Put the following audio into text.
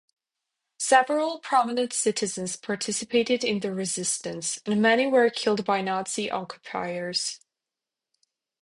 Several prominent citizens participated in the resistance, and many were killed by Nazi occupiers.